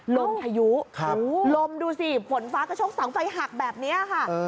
ลมพายุลมดูสิฝนฟ้ากระชกเสาไฟหักแบบนี้ค่ะ